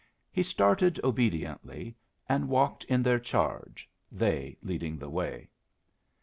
He started obediently, and walked in their charge, they leading the way.